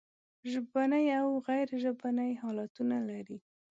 ژبني او غیر ژبني حالتونه لري.